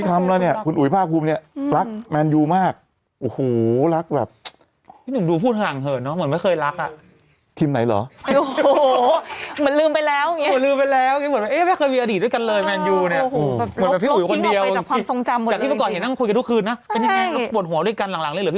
แต่ที่ก่อนนั่งคุยกันทุกคืนนะแต่ยังบ่นหัวด้วยกันหลังเลย